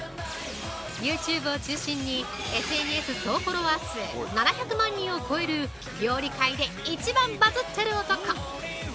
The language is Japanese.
ユーチューブを中心に、ＳＮＳ総フォロワー数７００万人を超える料理界で一番バズッてる男！！！